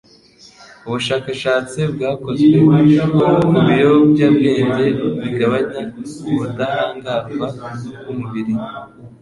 Ubushakashatsi bwakozwe ku biyobyabwenge bigabanya ubudahangarwa bw'umubiri